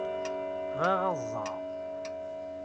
Bɣiɣ ad ẓreɣ.